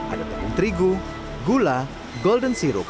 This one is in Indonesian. ada tepung terigu gula golden sirup